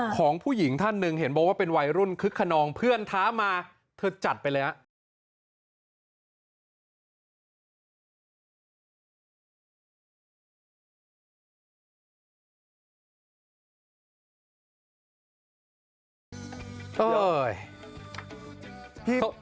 ของผู้หญิงท่านหนึ่งเห็นบอกว่าเป็นวัยรุ่นคึกขนองเพื่อนท้ามาเธอจัดไปเลยครับ